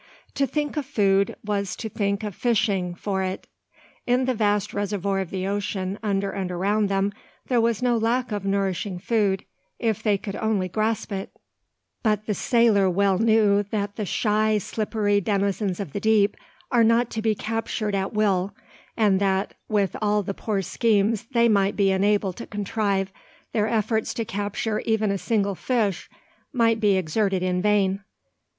To think of food was to think of fishing for it. In the vast reservoir of the ocean under and around them there was no lack of nourishing food, if they could only grasp it; but the sailor well knew that the shy, slippery denizens of the deep are not to be captured at will, and that, with all the poor schemes they might be enabled to contrive, their efforts to capture even a single fish might be exerted in vain.